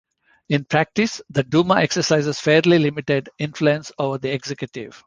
In practice, the Duma exercises fairly limited influence over the executive.